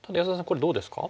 これどうですか？